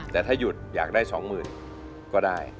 แต่ถ้าหยุดอยากได้๒๐๐๐ก็ได้